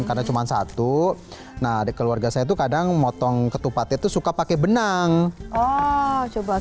karena cuman satu nah di keluarga saya tuh kadang memotong ketupat itu suka pakai benang oh coba